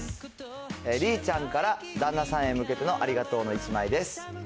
りーちゃんから旦那さんへ向けてのありがとうの１枚です。